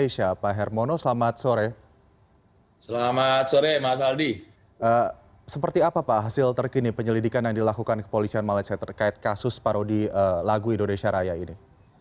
seperti apa pak hasil terkini penyelidikan yang dilakukan kepolisian malaysia terkait kasus parodi lagu indonesia raya ini